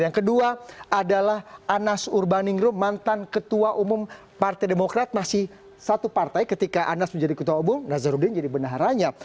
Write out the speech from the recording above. yang kedua adalah anas urbaningrum mantan ketua umum partai demokrat masih satu partai ketika anas menjadi ketua umum nazarudin jadi bendaharanyap